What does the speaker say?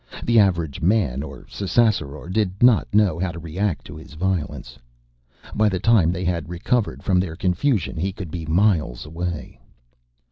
The average Man or Ssassaror did not know how to react to his violence. By the time they had recovered from their confusion he could be miles away.